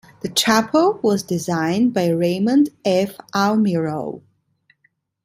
The chapel was designed by Raymond F. Almirall.